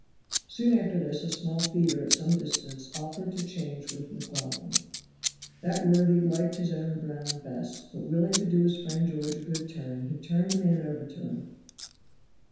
Soon after this a small feeder at some distance offered to change with McLaughlan. That worthy liked his own ground best, but willing to do his friend George a good turn he turned the man over to him.